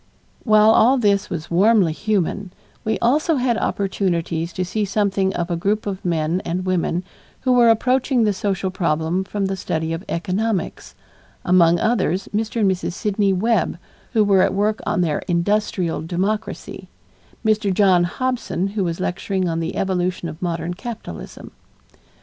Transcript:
While all this was warmly human, we also had opportunities to see something of a group of men and women who were approaching the social problem from the study of economics; among others Mr. and Mrs. Sidney Webb who were at work on their Industrial Democracy; Mr. John Hobson who was lecturing on the evolution of modern capitalism.